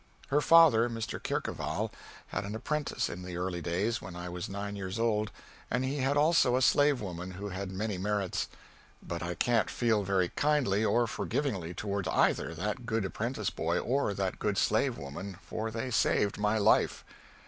Her father, Mr. Kercheval, had an apprentice in the early days when I was nine years old, and he had also a slave woman who had many merits. But I can't feel very kindly or forgivingly toward either that good apprentice boy or that good slave woman, for they saved my life.